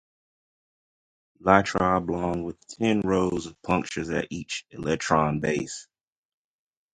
Elytra oblong with ten rows of punctures at each elytron base.